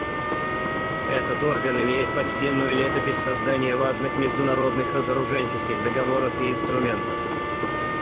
Этот орган имеет почтенную летопись создания важных международных разоруженческих договоров и инструментов.